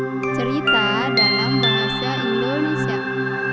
cerita dalam bahasa indonesia